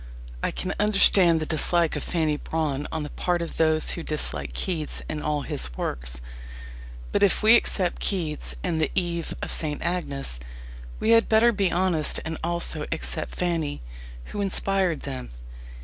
I can understand the dislike of Fanny Brawne on the part of those who dislike Keats and all his works. But if we accept Keats and The Eve of St. Agnes, we had better be honest and also accept Fanny, who inspired them.